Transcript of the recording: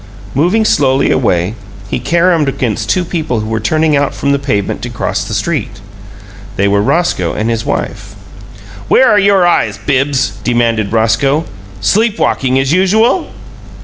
Moving slowly away, he caromed against two people who were turning out from the pavement to cross the street. They were Roscoe and his wife. "Where are your eyes, Bibbs?" demanded Roscoe. "Sleep walking, as usual?"